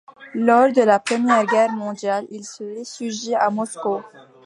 Lors de la Première Guerre mondiale, il se réfugie à Moscou.